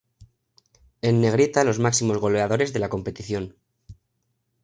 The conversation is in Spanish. En negrita los máximos goleadores de la competición.